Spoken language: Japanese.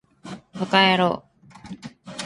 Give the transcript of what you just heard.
ヴぁかやろう